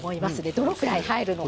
どのくらい入るのか。